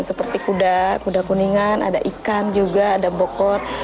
seperti kuda kuda kuningan ada ikan juga ada bokor